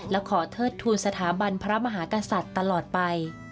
และขอเทิดทูลสถาบันพระมหากษัตริย์ตลอดไป